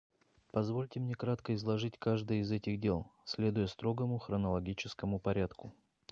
Позвольте мне кратко изложить каждое из этих дел, следуя строгому хронологическому порядку.